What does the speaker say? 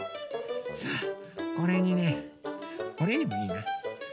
さあこれにねオレンジいいな。